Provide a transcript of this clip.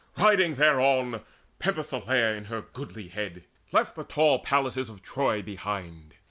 Riding thereon Penthesileia in her goodlihead Left the tall palaces of Troy behind.